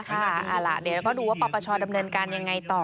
เอาล่ะเดี๋ยวเราก็ดูว่าปปชดำเนินการยังไงต่อ